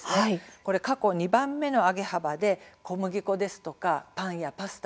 これは過去２番目の上げ幅で小麦粉ですとかパンやパスタ